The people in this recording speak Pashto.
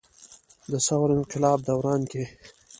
د ثور انقلاب دوران کښې